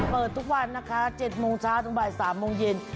เปิดทุกวันนะคะ๗โมงเช้าถึงบ่าย๓โมงเย็น